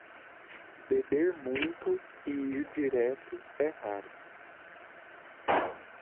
Beber muito e ir direto é raro.